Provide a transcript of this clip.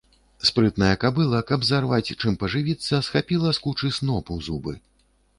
Спрытная кабыла, каб зарваць чым пажывіцца, схапіла з кучы сноп у зубы.